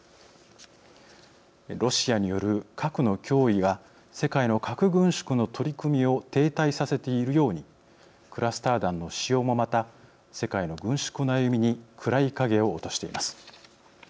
ロシアによる核の脅威が世界の核軍縮の取り組みを停滞させているようにクラスター弾の使用もまた、世界の軍縮の歩みに暗い影を落としています。